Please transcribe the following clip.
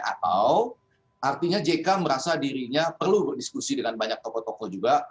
atau artinya jk merasa dirinya perlu berdiskusi dengan banyak tokoh tokoh juga